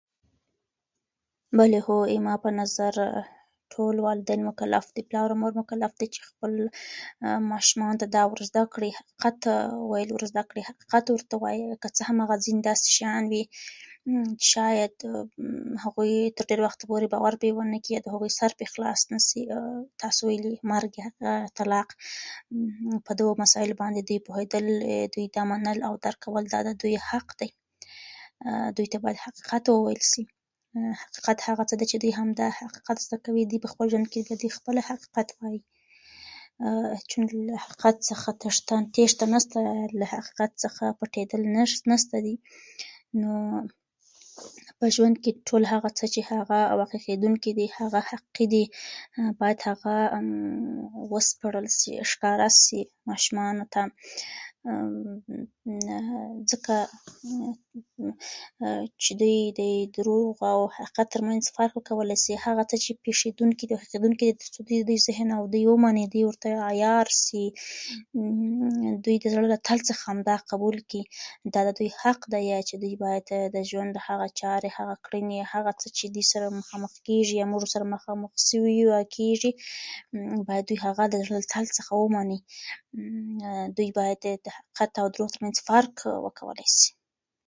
موږ او تاسو ټول بايد د پښتو ژبې د بډاينې لپاره بې ساری کار وکړو